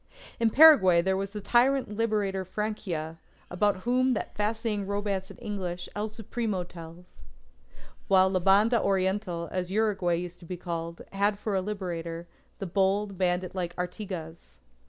In Paraguay there was the tyrant liberator Francia, about whom that fascinating romance in English, El Supremo, tells. While La Banda Oriental, as Uruguay used to be called, had for a Liberator, the bold bandit like Artigas.